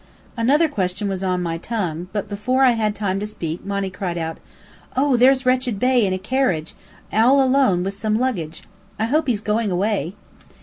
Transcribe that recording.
Another question was on my tongue, but before I had time to speak, Monny cried out: "Oh, there's Wretched Bey, in a carriage, all alone with some luggage! I hope he's going away!"